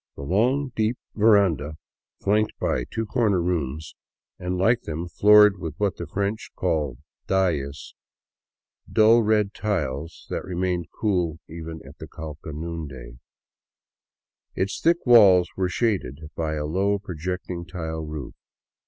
The long, deep veranda was flanked by two corner rooms and, like them, floored with what the French call dalles, dull red tiles that re mained cool even at Cauca noonday. Its thick walls were shaded by a low, projecting tile roof.